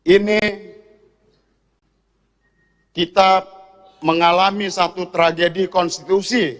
ini kita mengalami satu tragedi konstitusi